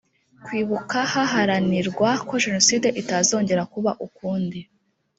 kwibuka haharanirwa ko jenoside itazongera kuba ukundi